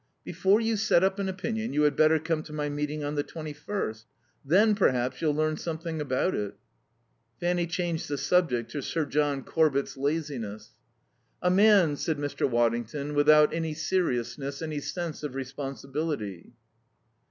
"Before you set up an opinion, you had better come to my meeting on the twenty first. Then perhaps you'll learn something about it." Fanny changed the subject to Sir John Corbett's laziness. "A man," said Mr. Waddington, "without any seriousness, any sense of responsibility."